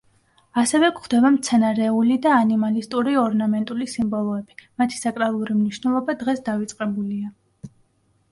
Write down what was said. ასევე გვხვდება მცენარეული და ანიმალისტური ორნამენტული სიმბოლოები, მათი საკრალური მნიშვნელობა დღეს დავიწყებულია.